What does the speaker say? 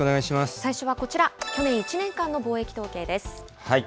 最初はこちら、去年１年間の貿易統計です。